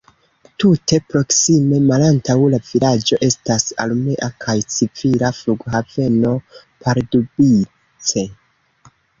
Tute proksime malantaŭ la vilaĝo estas armea kaj civila flughaveno Pardubice.